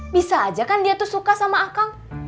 bisa aja kan dia tuh suka sama akang